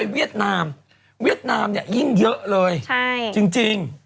วิเดอะนามยิ่งเยอะเลยจริง